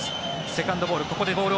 セカンドボール